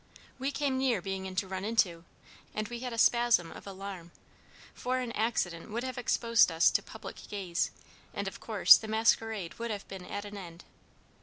We came near being run into, and we had a spasm of alarm, for an accident would have exposed us to public gaze, and of course the masquerade would have been at an end.